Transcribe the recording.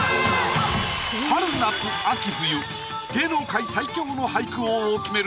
春・夏・秋・冬芸能界最強の俳句王を決める